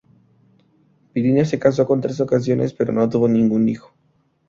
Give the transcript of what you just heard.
Plinio se casó en tres ocasiones, pero no tuvo ningún hijo.